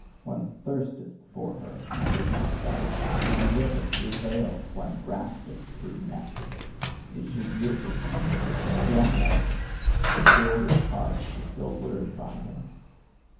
One thirsteth for her and is not satisfied, one looketh through veils, one graspeth through nets. Is she beautiful? What do I know! But the oldest carps are still lured by her.